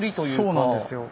そうなんですよ。